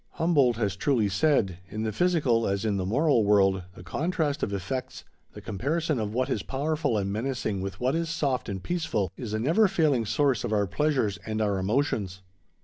Humboldt has truly said: "In the physical as in the moral world, the contrast of effects, the comparison of what is powerful and menacing with what is soft and peaceful, is a never failing source of our pleasures and our emotions."